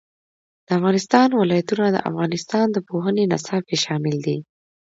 د افغانستان ولايتونه د افغانستان د پوهنې نصاب کې شامل دي.